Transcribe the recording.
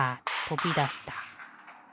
とびだした。